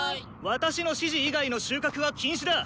私の指示以外の収穫は禁止だ！